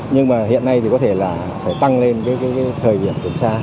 nhưng mà hiện nay thì có thể là phải tăng lên cái thời điểm kiểm tra